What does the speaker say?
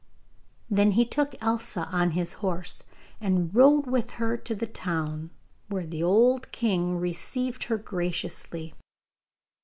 Then he took Elsa on his horse, and rode with her to the town, where the old king received her graciously.